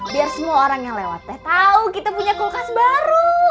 biar semua orang yang lewat teh tau kita punya kulkas baru